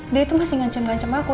dia itu masih ngancem ngancam aku